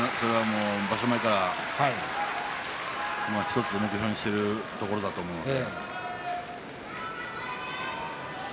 場所前から１つ目標にしているところだと思うので。